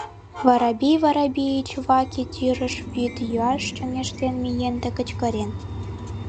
Воробей Воробеич ваке тӱрыш вӱд йӱаш чоҥештен миен да кычкырен: